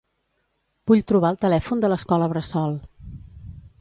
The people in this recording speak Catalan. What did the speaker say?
Vull trobar el telèfon de l'escola bressol.